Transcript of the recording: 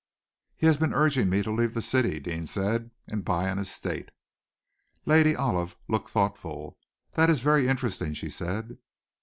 "He has been urging me to leave the city," Deane said, "and buy an estate." Lady Olive looked thoughtful. "That is very interesting," she said.